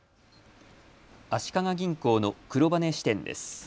足利銀行の黒羽支店です。